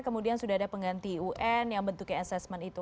kemudian sudah ada pengganti un yang bentuknya assessment itu